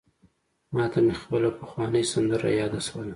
ماته مي خپله پخوانۍ سندره یاده سوله: